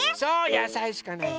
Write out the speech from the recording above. やさいしかないの。